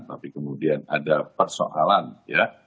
tapi kemudian ada persoalan ya